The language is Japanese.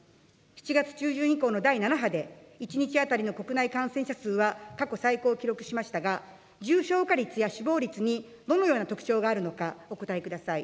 ７月中旬以降の第７波で１日当たりの国内感染者数は過去最高を記録しましたが、重症化率や死亡率にどのような特徴があるのか、お答えください。